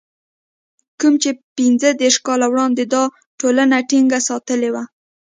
کوم چې پنځه دېرش کاله وړاندې دا ټولنه ټينګه ساتلې وه.